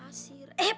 mau dimanjak iya